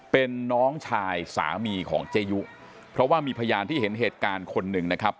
เป็นน้องชายสามีของเจยุเพราะว่ามีพยานที่เห็นเหตุการณ์คนหนึ่งนะครับ